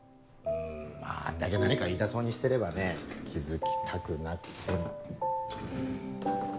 んまぁあんだけ何か言いたそうにしてればね気付きたくなくても。